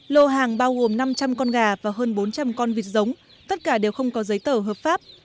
lô hàng bao gồm năm trăm linh con gà và hơn bốn trăm linh con vịt giống tất cả đều không có giấy tờ hợp pháp